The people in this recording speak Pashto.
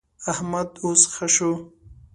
احمد اوس ښه شو.